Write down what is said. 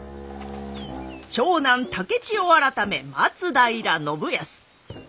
長男竹千代改め松平信康。